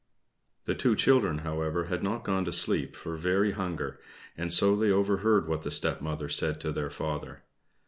The two children, however, had not gone to sleep for very hunger, and so they overheard what the stepmother said to their father.